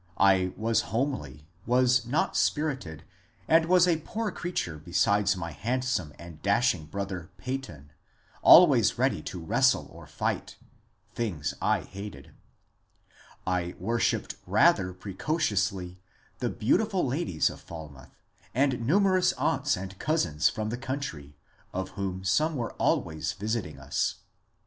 I was homely, was not spirited, and was a poor creafcure beside my handsome and dashing brother Peyton, always ready to wrestle or fight, — things I hated. I worshipped rather precociously the beautiful ladies of Fal mouth, and numerous aunts and cousins from the country, of whom some were always visiting us.